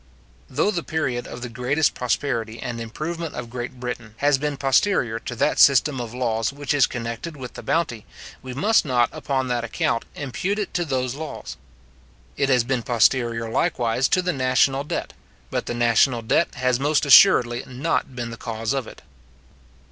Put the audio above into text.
Though the period of the greatest prosperity and improvement of Great Britain has been posterior to that system of laws which is connected with the bounty, we must not upon that account, impute it to those laws. It has been posterior likewise to the national debt; but the national debt has most assuredly not been the cause of it.